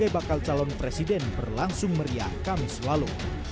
bakal calon presiden berlangsung meriah kamis lalu